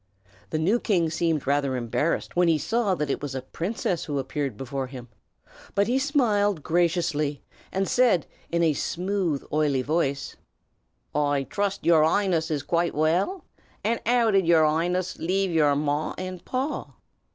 The new king seemed rather embarrassed when he saw that it was a princess who appeared before him; but he smiled graciously, and said, in a smooth oily voice, "I trust your 'Ighness is quite well. And 'ow did yer 'Ighness leave yer pa and ma?"